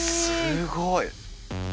すごい！